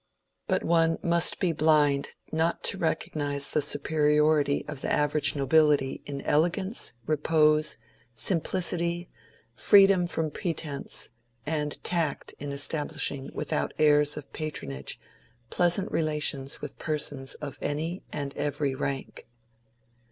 But one must be blind not to recognize the DISRAELI AND GLADSTONE 75 saperiority of the average nobility in elegance, repose, aim plicity, freedom from pretence, and tact in establishing with out airs of patronage pleasant relations with persons of any and every rank.